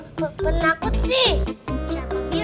kemu penakut sih